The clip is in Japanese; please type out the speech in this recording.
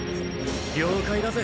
了解だぜ！